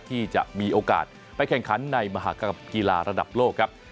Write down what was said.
ที่จะมีโอกาสไปแข่งขันในมหากรรมกีฬาระดับโลกครับ